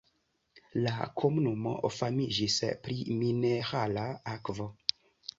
La komunumo famiĝis pri minerala akvo.